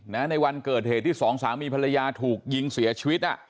ในวันเกิดเหตุที่สองสามีภรรยาถูกยิงเสียชีวิต